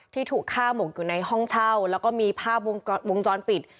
ที่ถูกฆ่าหมกอยู่ในห้องเช่าแล้วก็มีภาพวงจรปิด